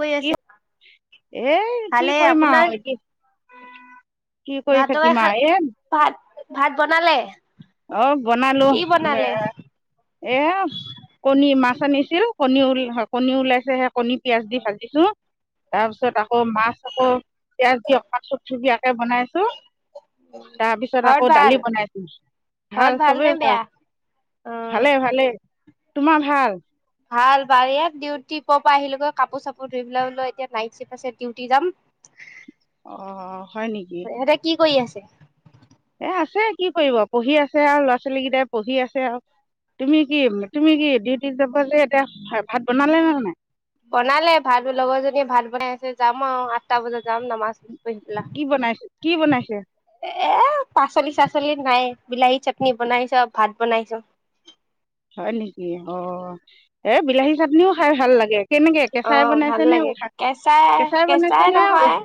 কৰি কি আছে? এ কি ভালে কৰিম আপোনাৰ কি কৰি ভাত তৰকাৰী থাকিম খাল আৰ এম ভাত ভাত বনালে? অ বনালো কি এ বনালে? এয়া কণী মাছ আনিছিল। কণী ওল হয় কণী ওলাইছেহে। কণী পিয়াজ দি ভাজিছো তাৰপিছত আকৌ মাছ আকৌ পিঁয়াজ দি। [unintelligible] বনাইছো তাৰপিছত ঘৰত আকৌ ভাল? দালি বনাইছো। ঘৰত ভাল নে চবেই ভাল বেয়া? উম। ভালে ভালে। তোমাৰ ভাল? ভাল ভাল ইয়াত ডিউটি পৰ পৰা আহিলোগৈ কাপোৰ চাপোৰ ধুই পেলাই ল এতিয়া নাইট চিপ আছে ডিউটি যাম অ হয় নেকি? ইহঁতে [inaudible] এ আছে কি কৰিব পঢ়ি আছে আৰু ল'ৰা-ছোৱালী গিটাই পঢ়ি আছে আৰু তুমি কি, তুমি কি, ডিউটিত যাব লে এতিয়া ভাত বনালা নে নাই? বনালে ভাত লগৰ জনীয়ে ভাত বনাই আছে যাম আৰু আঠটা বজাত যাম নমাজ কি বনাইছে, কি বনাইছে? এ পাচলি চাচলি নাই বিলাহী চাটনি বনাইছ, ভাত বনাইছ। হয় নেকি? অ এ বিলাহী চাটনিও খাই ভাল লাগে। কেনেকে অ কেঁচাই ভাল বনাইছে নে লাগে উঠা কেঁচাই, বনাইছে কেঁচাই নে নহয়, উখ-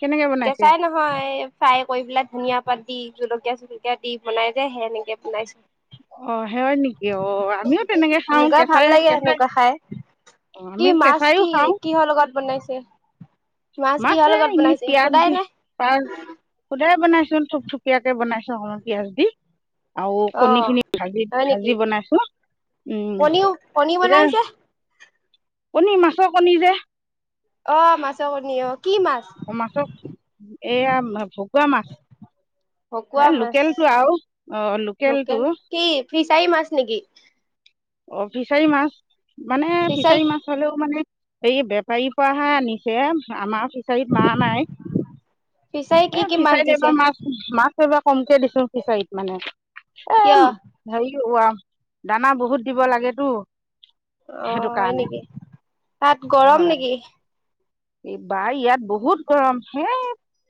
কেনেকে বনাইছে কেঁচাই নহয়, ফ্ৰাই কৰি পেলাই ধুনীয়া পাত দি জলকীয়া চলকীয়া দি বনাই যে সেনেকে বনাইছো। অ সেই নেকি অ আমিও তেনেকে খাও সেনেকুৱা ভাল কেঁচাই, লাগে কেঁচাই। সেনেকুৱা খাই কি আমি মাছ, কেঁচাইও কি খাওঁ কিহৰ লগত বনাইছে, মাছ মাছে কিহৰ লগত এনেই বনাইছে পিয়াজ দি সোধাই নে? থুপ থুপিয়াকে বনাইছো অলপ পিয়াজ দি। অ কণী খিনি ভাজি হয় ভাজি নেকি বনাইছো, উম কণীও কণী বনাইছে কণী, মাছৰ কণী যে। অ মাছৰ কণি অ। কি মাছ মাছৰ এইয়া ভকুৱা মাছ। ভকুৱা এ মাছ লোকেলটো আৰু লোকেলটো। লোকেল কি ফিচাৰী মাছ নেকি অ ফিচাৰী মাছ। মানে ফিছাৰী ফিচাৰীত মাছ হলেও মানে এই বেপাৰীৰ পৰাহে আনিছে আমাৰ ফিচাৰীত মাৰা নাই ফিচাৰীত কি এ কি মাছ ফিচাৰীত দিছে এবাৰ মাছ মাছ এবাৰ কমকে দিছো ফিচাৰীত মানে এ কিয় হেৰি দানা বহুত। দিব লাগেটো। অ হয় নেকি, তাত গৰম নেকি? এইবাৰ ইয়াত বহুত গৰম। হেই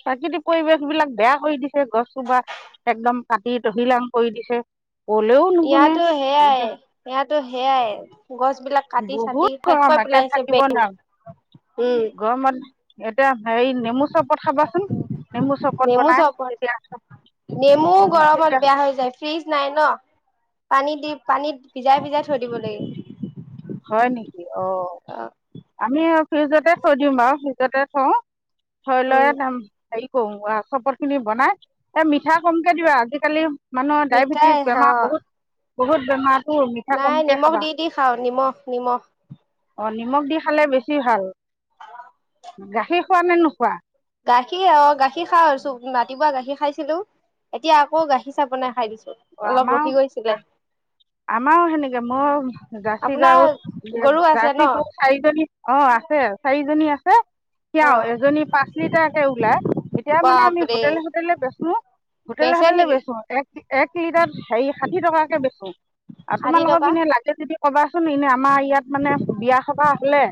প্ৰাকৃতিক পৰিৱেশ বিলাক বেয়া কৰি দিছে। গছসোপা একদম কাটি তহিলং কৰি দিছে। কলেও নুশুনে ইয়াতো, সেয়াই এতিয়া ইয়াতো সেয়াই গছ বিলাক। কাটি চাটি বহুত শেষ কৰি গৰম একে পেলাইছে বে থাকিব নোৱাৰো, উম গৰমত। এ [inaudible] এতিয়া সেৰি নেমু চপত খাবাচোন। নেমু চৰবত নেমু বনাই চৰবত তেতিয়া আ নেমু উ গৰমত তেতিয়া। বেয়া হৈ যায় ফ্ৰিজ নাই ন পানী দি, পানীত ভিজাই, ভিজাই থৈ দিব লাগিব। হয় নেকি অ। আমি ফিউজতে থৈ দিওঁ বাও। তাতে থওঁ। হয় লয় উম দাম। হেৰি কৰো আ চবৰ খিনি বনাই, এ মিঠা কমকে দিবা আজিকালি। মানুহৰ মিঠাই ডায়েবেটিছ অ বেমাৰ বহুত। বহুত বেমাৰ। নাই নিমখ দি দি খাওঁ, নিমখ। নিমখ। অ নিমখ দি খালে বেছি ভাল। গাখীৰ খোৱা নে নোখোৱা? গাখীৰ অ গাখীৰ খা হৈছো ৰাতিপুৱা গাখীৰ খাইছিলো। এতিয়া আকৌ গাখীৰ চাহ বনাই খাই দিছো। অ অলপ আমাৰও, ৰখি গৈছিলে আমাৰও সেনেকে ময়ো জাৰ্চী আপোনাৰ গাৰুত, গৰু আছে ন জাৰ্চ গৰু চাৰিজনী অ আছে, চাৰিজনী আছে। হ [unintelligible] অ খীয়াও এজনী পাঁচ লিটাৰকে ওলায়। এতিয়া মানে আমি বাপৰে হোটেলে, হোটেলে বেচো। হোটেল, বেচে হোতেলে নেকি বেচো এক এক। হে ষাঠি টকাকে বেছো। আৰু ষাঠি তোমালোকক টকা পিনে লাগে যদি কবাচোন, এনে আমাৰ ইয়াত মানে বিয়া সভা হলে,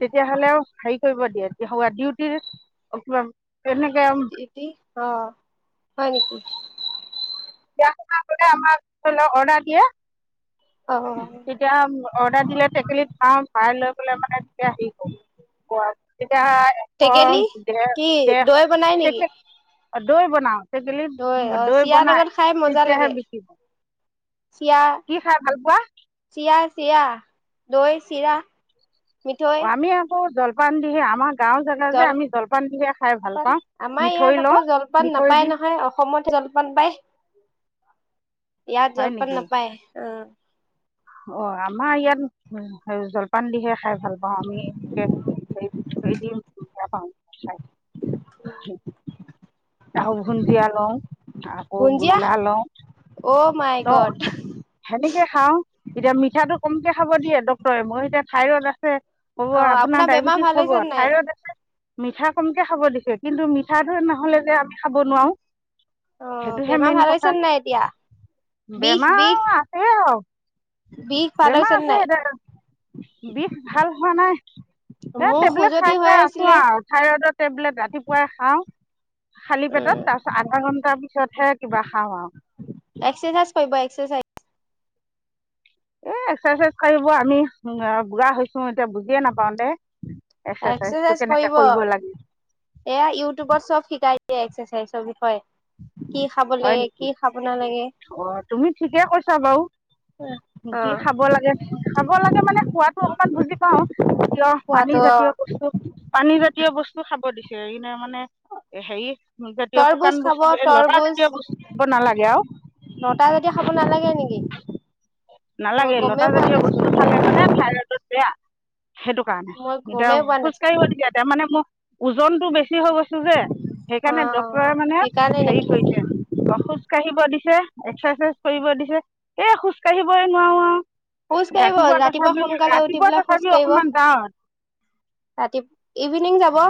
তেতিয়া হলে। হেৰি কৰিব দিয়ে, এতিয়া হ ডিউটিৰ [inaudible] এটি অ হয় নেকি? বিয়া আমাক ধ লও অৰ্ডাৰ অ দিয়ে। তেতিয়া অৰ্ডাৰ দিলে, টেকেলিত ভৱাও ভৱাই লৈ পেলাই মানে [inaudible] এতিয়া এশ, টেকেলি দে কি ডেৰশ দৈ বনাই নেকি [inaudible] অঁ দৈ বনাওঁ। অ টেকেলিত দৈ চিৰা লগত বনাই। খাই মজা লাগে তেতিয়াহে বিকিব। চিৰা কি খাই ভাল পোৱা চিৰা চিৰা দৈ চিৰা আমি আকৌ জল দোকান দিহে আমাক জলপান পাওঁ আমাৰ মিঠৈ ইয়াত লওঁ আকৌ জলপান মিঠৈ দি নাপায় নহয় অসমত জলপান পায় ইয়াত হয় জলপান নেকি নাপাই অ অ আমাৰ ইয়াত আৰু জলপান দিহে খাই ভাল পাওঁ আমি [unintelligible] কেই দি [unintelligible] চাহ ভুজিয়া লওঁ আকৌ ভুঞ্জিয়া গোল্লা লওঁ অ মাই ল গড সেনেকে খাওঁ এতিয়া মিঠাটো কমকে খাব দিয়ে ডক্টৰে মই এতিয়া ঠাইৰ হ'ব অ আপোনাৰ বেমাৰ ডায়েবেটিছ ভাল হব হৈছে নাই থাইৰইড আছে মিঠা কমকে খাব দিছে কিন্তু মিঠাটো নহলে আমি খাব নোৱাৰো অ সেইটোহে বেমাৰ মেইন ভাল হৈছে কথা নাই এতিয়া বিষ বিষ বেমাৰ আছে আৰু বিষ ভাল বেমাৰ হৈছে আছে নাই সতি বিষ ভাল হোৱা নাই এ মোৰ টেবলেট খজুৱতি খাই হৈ খাই আছো আছিলে আৰু থাইৰইডৰ টেবলেট ৰাতিপুৱাই খাও খালি পেটত উম তাৰ পিছত আধা ঘন্টাৰ পিছতহে কিবা খাওঁ আৰু এক্সাৰচাইজ কৰিব এক্সাৰচাইজ এ এক্সাৰচাইজ কৰিব আমি বুঢ়া হৈছো এতিয়া বুজিয়ে নাপাও দে এক্সাৰচাইজটো এক্সাচাইজ কেনেকে কৰিব লাগে এয়া ইউটিউবত চব শিকাই এক্সাৰচাইজ বিষয়ে কি খাব হয় লাগে নেকি কি খাব নালাগে তুমি ঠিকে কৈছা বাৰু অ কি খাব লাগে খাব লাগে মানে সোৱাদ ত অকমান বুজি পাওঁ কিয় পানী খোৱাতো অ জাতীয় বস্তু পানী জাতীয় বস্তু খাব দিছো নে মানে সেৰি জাতীয় তৰবুজ শুকান খাব বস্তু এই লতা তৰবুজ জাতীয় বস্তু দ নালাগে আৰু নটা যেতিয়া খাব নালাগে নেকি মই নালাগে লতা গমেই পোৱা জাতীয় বস্তু নাছিলো খালে মানে থাইৰইডত বেয়া সেইটো কাৰণে মই গমেই পোৱা এতিয়া খোজ নাছিলো কাঢ়িবলগীয়া এতিয়া মানে মোক ওজনতটো বেছি হৈ গৈছো যে অ সেইকাৰণে ড্ক্তৰে মানে সেইকাৰণে হেৰি নেকি কৰিছে অ খোজ কাঢ়িব দিছে তে এক্সাৰচাইজ কৰিব দিছে এই সুস্থ খোজ কাঢ়িবই নোৱাৰো আৱ খোজ কাঢ়িব ৰাতিপুৱা সোনকালে উঠি পেলাই খোজ তথাপি কাঢ়িব অকণমান যাওঁ ৰাতি ইভিনিং যাব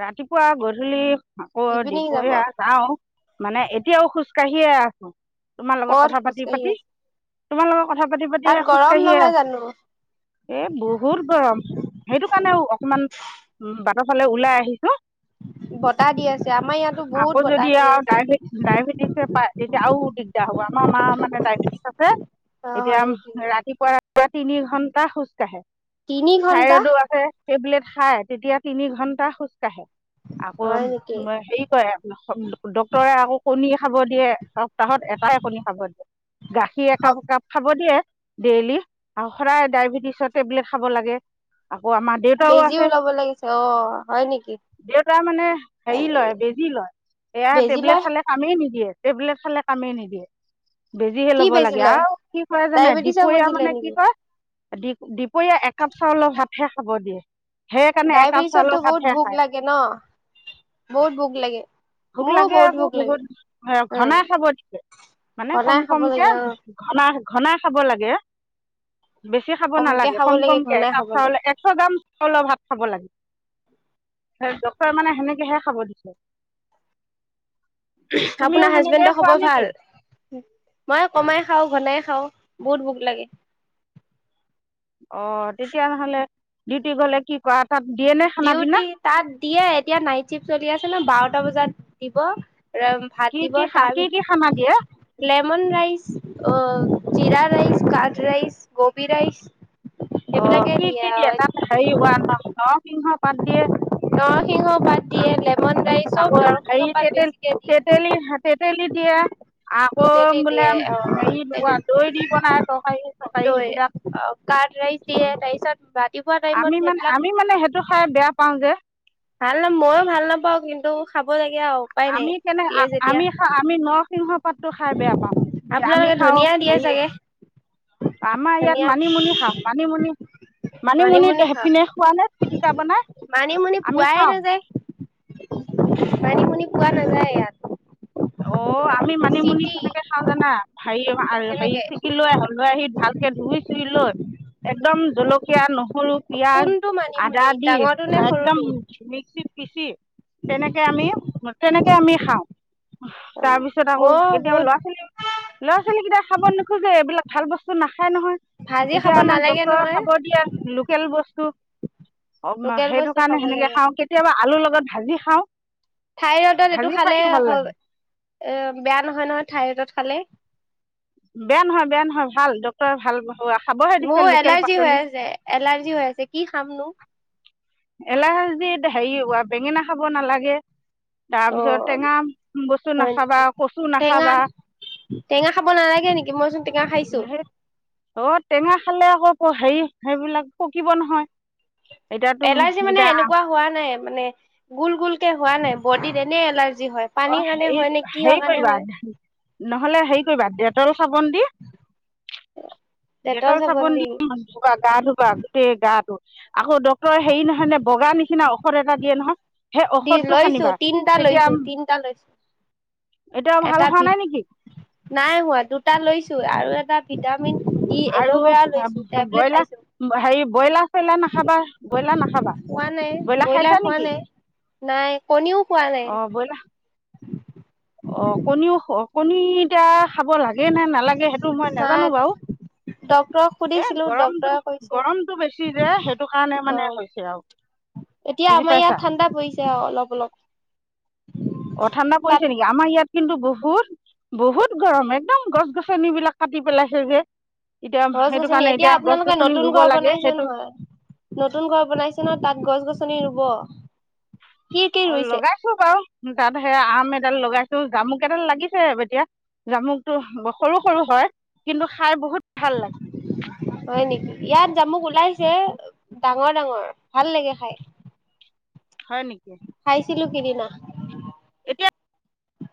ৰাতিপুৱা গধূলি আকৌ ইভিনিং যাব দুপৰীয়া যাওঁ মানে এতিয়াও খোজ কাঢ়িয়ে আছোঁ তোমাৰ লগত কত কথা পাতি খোজকাঢ়ি পাতি আছে তোমাৰ লগত কথা পাতি তাত পাতিহে খোজ গৰম কাঢ়িয়ে নহয় আছোঁ জানো এ বহুত গৰম সেইটো কাৰণে ও অকমান উম বাট ফালে ওলাই আহিছোঁ বতাহ দি আছে আমাৰ ইয়াতো আকৌ বহুত যদি বতাহ দি আৱ আছে ডায়ট ডায়েবেটিছে পায় তেতিয়া আৰু দিগদাৰ হ'ব আমাৰ মা মানে ডায়বেটিছ আছে অ এতিয়া হয় নেকি ৰাতিপুৱা পুৱা তিনি ঘণ্টা খোজ কাঢ়ে তিনি ঘণ্টা টেবলেট খাই তেতিয়া তিনি ঘণ্টা খোজ কাঢ়ে আকৌ হয় নেকি হেৰি কৰে ডক্তৰে আকৌ কণী খাব দিয়ে এসপ্তাহত এটাহে কণী খাব দিয়ে গাখীৰ একাপ একাপ খাব দিয়ে ডেইলি আৰু সদায় ডায়েবেটিছৰ টেবলেট খাব লাগে আকৌ আমাৰ দেউতাও বেজিও আছে ওলাব লাগিছে অ হয় নেকি দেউতা মানে হেৰি লয় বেজি লয় সেয়া বেজি টেবলেট লয় খালে কামেই নিদিয়ে টেবলেট ফালে কামেই নিদিয়ে বেজিহে কি ল'ব বেজি লাগে লয় আৰু কি কৰে জানে ডায়বেটিছৰ দুপৰীয়া বেজি মানে লয় কি নেকি কয় দুপৰীয়া একাপ চাউলৰ ভাতহে খাব দিয়ে সেইকানে এক ডাইবেটিচত টো বহুত ভোক লাগে ন বহুত ভোক লাগে ভোক মোৰো লাগে আকৌ ভোক লাগে বহুত অ ঘনাই খাব দিছে মানে কম ঘনাই খাব কমকে লাগে অ ঘনা ঘনাই খাব লাগে বেছি খাব কমকে নালাগে খাব কম লাগে কমকে ঘনাই একাপ খাব লাগে চাউলে একশ গ্ৰাম চাউলৰ ভাত খাব লাগে ডক্তৰে মানে সেনেকেহে খাব দিছে উমহ তুমিও আপোনাৰ সেনেকে হাজবেণ্ডৰ খোৱা খবৰ নেকি ভাল মই কমাই খাওঁ ঘনাই খাওঁ বহুত ভুক লাগে অ তেতিয়া নহ'লে ডিউটি গলে কি কৰা তাত দিয়ে নে খানা পিনা ডিউটি তাত দিয়ে এতিয়া নাইট চিফ্ট চলি আছে ন বাৰ, এটা বজাত দিব। ভাত কি দিব কি তা কি কি খানা দিয়ে লেপ চন ৰাই অ জিৰা ৰাইচ কঠ ৰাইচ গবী ৰাইচ। অ এইবিলাকে কি কি দিয়ে আৰু তাত ন নৰ সিংহ। পাদ দিয়ে। নৰসিংহ পাত দিয়ে, লেমন ৰাইচ চব আকৌ নৰসিংহ হেৰি পাত তেতেলী বেছিকে দিয়ে। তেতেলী তেতেলী দিয়ে আকৌ টোটেলি বোলে দিয়ে অ' হে লগ দৈ দি বনাই তৰকাৰী তৰকাৰী দৈ সেইবিলাক। অ' কাৰ্ড ৰাইচ দিয়ে [unintelligible] আমি মানে সেইবিলাক আমি মানে সেইটো খাই বেয়া পাওঁ যে। ভাল ন ময়ো ভাল নাপাওঁ কিন্তু খাব লাগিব, আমি কেনে আমি আমি নৰসিংহ পাতটো খাই বেয়া পাওঁ আমি আপোনালোকে খাওঁ ধনিয়া দিয়ে হেৰি চাগে আমাৰ ইয়াত ধনিয়া মানিমুনি খাওঁ মানিমুনি, মানিমুনি শাক মানিমুনিপিনে খোৱা নে পিটিকা বনাই মানিমুনি আমি পোৱাই খাও। নাযায় মানিমুনি পোৱা নাযায় ইয়াত, অ আমি মানিমুনি চিটি কেনেকে খাও জানা হেৰি হেৰি তেনেকে চেিকি লৈ আহ লৈ আহি ভালকে ধুই চুই লৈ একদম জলকীয়া নহৰু পিযয়াজ কোনটো মানিমুনি আদা দি ডাঙৰটো নে একদম সৰুটো? মিক্সিত খিছি। তেনেকে আমি তেনেকে আমি হা। [inaudible] তাৰপিছত আকৌ মই কেতিয়াবা বহুত ল'ৰা ছোৱালী ল'ৰা ছোৱালী কেইটা। খাব নোজে এইবিলাক ভাল বস্তু না খাই নহয় ভাজি এতিয়া খাব আমাক নালাগে ডক্তৰ নহয় চাব দিয়ে লোকেল বস্তু ক [inaudible] অ লোকেল সেইটো বস্তু খাব কাৰণে সেনেকে লাগে। খাওঁ কেতিয়াবা আলু লত ভাজি খাওঁ থাইৰডত এইটো ভাজি খালে খাইও ভাল হয় লাগে এ বেয়া নহয় নহয় থাইৰেইডত খালে। বেয়া নহয় বেয়া নহয় ভাল ডক্টৰে ভাল খাবহে দিছে মোৰ লোকেল এলাৰ্জি হৈ পাচলি আছে এলাৰ্জি হৈ আছে কি খামনো? এলাহ যে হেৰি বেঙেনা খাব নালাগে। অ তাৰপিছত টেঙা বস্তু হয় নাখাবা নেকি কচু টেঙা নাখাবা টেঙা খাব নালাগে নেকি মইচোন টেঙা খাইছো অ টেঙা খালে আকৌ হেৰি সেইবিলাক পকিব নহয় এতিয়াতো এলাৰ্জি মানে এতিয়া এনেকুৱা হোৱা নাই মানে গোল- গোলকে। হোৱা নাই বডিত এনেই এলাৰ্জি। হয় পানীৰ অহ', কাৰণে হেৰি হয় নে - কিহৰ হেৰি কাৰণে কৰিবা হয়। নহলে হেৰি কৰিবা ডেটল চাবোন দি ডেটল চাবোন দি ধোবা গা ধুবা গোটেই গা। আকৌ ডক্টৰে হেৰি নহয় নে বগা নিচিনা ঔষধ এটা দিয়ে নহয়। সেই দি ঔষধটো লৈছো সানিবা তিনটা তেতিয়া লৈছো- তিনটা লৈছো এতিয়াও ভাল এটা হোৱা ভিত নাই নেকি নাই হোৱা দুটা লৈছো আৰু এটা। এটা ভিতা আৰু ব্ৰইলাৰ খাইছো হেৰি ব্ৰইলাৰ। চইলাৰ নাখাবা ব্ৰইলাৰ নাখাবা খোৱা নাই ব্ৰইলাৰ খাইছা খোৱা নেকি? নাই নাই কণীও খোৱা নাই অহ', ব্ৰইলাৰ অহ', কণীও কণীটা খাব লাগে নে নালাগে সেইটো মই নাজানো বাৰু। ডক্টৰক এ সুধিছিলো গৰমটো ডক্টৰে কৈছে গৰমটো বেছি যে সেইটো কাৰণে মানে গৰম, হৈছে আৰু এতিয়া বুজি আমাৰ পাইছা ইয়াত ঠাণ্ডা পৰিছে আৰু অলপ - অলপ। অহ', ঠাণ্ডা তাত পৰিছে নেকি? আমাৰ ইয়াত কিন্তু বহুত- বহুত গৰম একদম, গছ গছনিবিলাক কাটি পেলাইছে যে। এতিয়া গছ সেইটো গছনি, কাৰণে এতিয়া গছ আপোনালোকে গছনি নতুন ৰুব ঘৰ লাগে বনাইছে সেইটো নহয় নতুন ঘৰ বনাইছে ন, তাত গছ গছনি নি ৰুব। কি কি অহ', ৰুইছে লগাইছো বাৰু। তাত সে আম এডাল লগাইছো, জামুক এডাল লাগিছে আৰু এতিয়া জামুকটো সৰু -সৰু হয়। কিন্তু খাই বহুত ভাল লাগে হয় নেকি, ইয়াত জামুক ওলাইছে, ডাঙৰ - ডাঙৰ ভাল লাগে খাই। হয় নেকি। ছিলো সিদিনা। এতিয়া